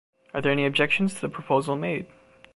Are there any objections to the proposal made?